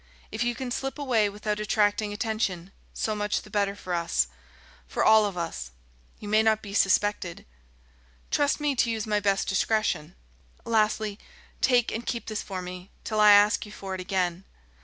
If you can slip away without attracting attention, so much the better for us, for all of us. You may not be suspected." "Trust me to use my best discretion." "Lastly ... take and keep this for me, till I ask you for it again.